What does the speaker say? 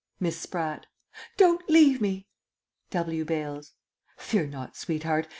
Miss Spratt. Don't leave me! W. Bales. Fear not, sweetheart.